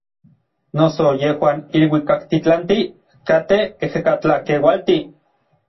Noso yejuan iluikaktitlantij katej ejekatlakeualtij.